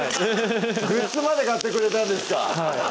グッズまで買ってくれたんですか